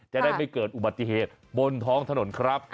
จะได้ไม่เกิดอุบัติเหตุบนท้องถนนครับ